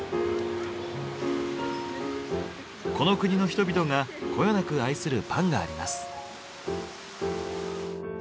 この国の人々がこよなく愛するパンがあります。